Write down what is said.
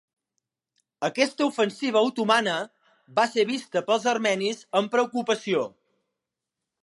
Aquesta ofensiva otomana va ser vista pels armenis amb preocupació.